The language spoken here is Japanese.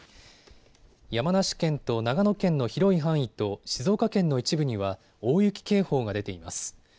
山梨県と長野県の広い範囲と静岡県の一部には大雪警報が出ています。